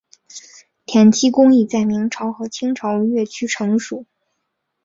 填漆工艺在明朝和清朝越趋成熟。